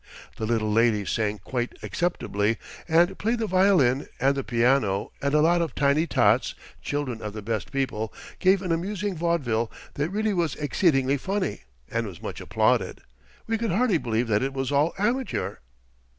The little ladies sang quite acceptably, and played the violin and the piano; and a lot of tiny tots, children of the best people, gave an amusing vaudeville that really was exceedingly funny and was much applauded. We could hardly believe that it was all amateur.